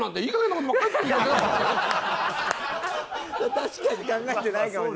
確かに考えてないかもしれない。